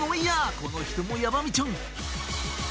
この人もやばみちゃん！